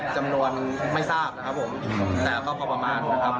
จำนวนไม่ทราบนะครับผมแต่ก็พอประมาณนะครับ